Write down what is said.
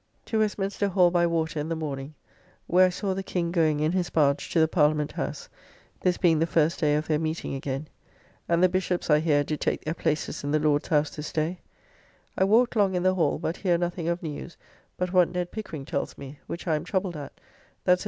To Westminster Hall by water in the morning, where I saw the King going in his barge to the Parliament House; this being the first day of their meeting again. And the Bishops, I hear, do take their places in the Lords House this day. I walked long in the Hall, but hear nothing of news, but what Ned Pickering tells me, which I am troubled at, that Sir J.